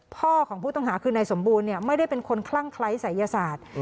พ่อของผู้ต้องหาคือนายสมบูรณ์ไม่ได้เป็นคนคลั่งคล้ายศัยศาสตร์